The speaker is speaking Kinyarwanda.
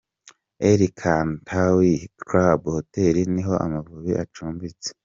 El Kantaoui Club Hotel niho Amavubi acumbitse